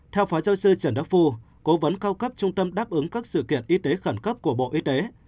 theo phó giáo sư trần đắc phu cố vấn cao cấp trung tâm đáp ứng các sự kiện y tế khẩn cấp của bộ y tế